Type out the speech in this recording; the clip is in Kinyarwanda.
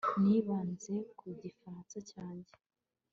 Nibanze ku Gifaransa cyanjye